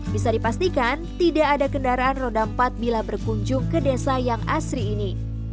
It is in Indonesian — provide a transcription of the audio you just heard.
bisa dipastikan tidak ada kendaraan roda empat bila berkunjung ke desa yang asri ini